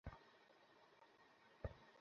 আমি আমার মোবাইল হারিয়েছি।